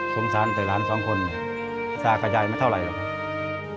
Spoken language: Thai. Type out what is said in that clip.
สงสารแต่หลานสองคนจ้ากับยายไม่เท่าไรหรอก